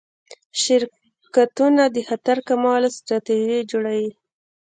شرکتونه د خطر کمولو ستراتیژي جوړوي.